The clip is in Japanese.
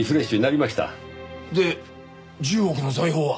で１０億の財宝は？